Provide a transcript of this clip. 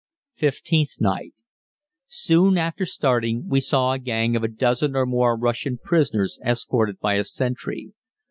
Fifteenth Night. Soon after starting we saw a gang of a dozen or more Russian prisoners escorted by a sentry.